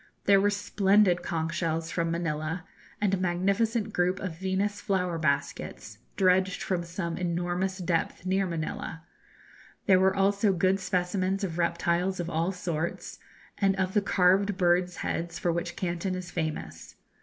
There were splendid conch shells from Manilla, and a magnificent group of Venus flower baskets, dredged from some enormous depth near Manilla. There were also good specimens of reptiles of all sorts, and of the carved birds' heads for which Canton is famous.